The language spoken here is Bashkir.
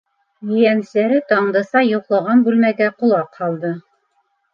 Ейәнсәре Тандыса йоҡлаған бүлмәгә ҡолаҡ һалды.